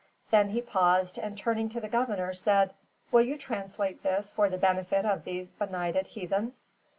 Then he paused, and turning to the governor said: "Will you translate this, for the benefit of these benighted heathens?"